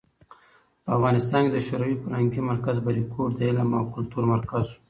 په افغانستان کې شوروي فرهنګي مرکز "بریکوټ" د علم او کلتور مرکز و.